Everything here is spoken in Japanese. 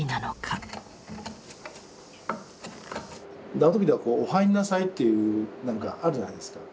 縄跳びでは「お入んなさい」っていうなんかあるじゃないですか。